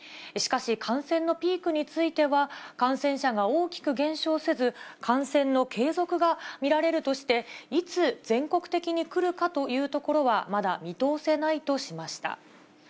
しかし、感染のピークについては、感染者が大きく減少せず、感染の継続が見られるとして、いつ全国的にくるかというところはまだ見通せないとしました。